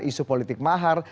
isu politik mahar